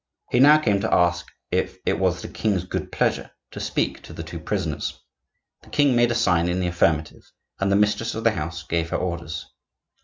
He now came to ask if it was the king's good pleasure to speak to the two prisoners. The king made a sign in the affirmative, and the mistress of the house gave her orders.